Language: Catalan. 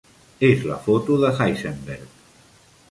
És la foto de Heisenberg.